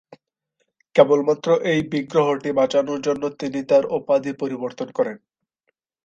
কেবলমাত্র এই বিগ্রহটি বাঁচানোর জন্য তিনি তার উপাধি পরিবর্তন করেন।